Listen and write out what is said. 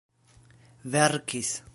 verkis